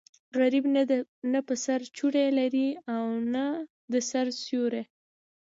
غریب نه په سر څوړی لري او نه د سر سیوری.